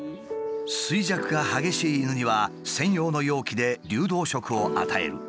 衰弱が激しい犬には専用の容器で流動食を与える。